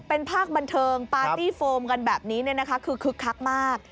เป็นภาคบันเทิงปาร์ตี้โฟมกันแบบนี้คือคึกคักมาก